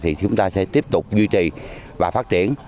thì chúng ta sẽ tiếp tục duy trì và phát triển